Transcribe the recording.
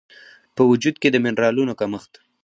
په وجود کې د مېنرالونو کمښت